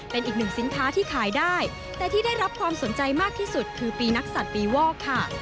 เป็นอีกหนึ่งสินค้าที่ขายได้แต่ที่ได้รับความสนใจมากที่สุดคือปีนักศัตริย์ปีวอกค่ะ